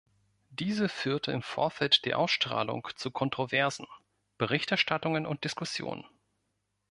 Diese führte im Vorfeld der Ausstrahlung zu Kontroversen, Berichterstattungen und Diskussionen.